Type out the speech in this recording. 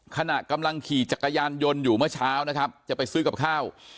ขณะกำลังขี่จักรยานยนต์อยู่เมื่อเช้านะครับจะไปซื้อกับข้าว